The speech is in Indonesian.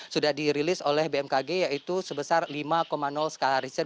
sudah dirilis oleh bmkg yaitu sebesar lima skala riset